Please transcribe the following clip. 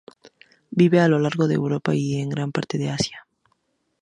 Vive a lo largo de Europa y de gran parte de Asia.